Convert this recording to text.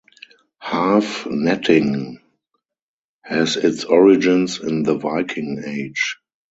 Haaf netting has its origins in the Viking Age.